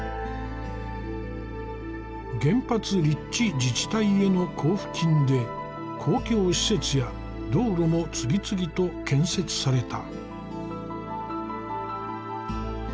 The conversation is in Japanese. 原発立地自治体への交付金で公共施設や道路も次々と建設された。